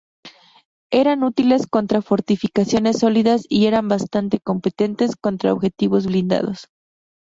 Eran útiles contra fortificaciones sólidas y eran bastante competentes contra objetivos blindados.